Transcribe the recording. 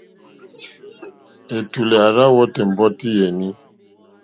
Ɛ̀tùlɛ̀ à rzá wɔ́tì ɛ̀mbɔ́tí yèní.